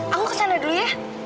aku kesana dulu ya